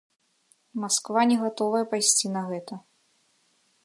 Масква не гатовая пайсці на гэта.